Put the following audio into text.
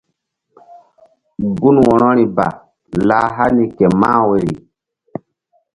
Gun wo̧rori ba lah hani ke mah woyri.